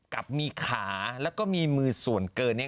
กับมีขาและมีมือส่วนเกิน